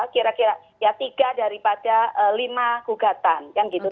kira kira ya tiga daripada lima gugatan gitu